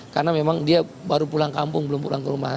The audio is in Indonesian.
karena memang dia baru pulang kampung belum pulang ke rumah